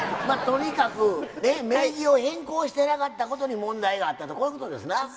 まあとにかく名義を変更してなかったことに問題があったとこういうことですな。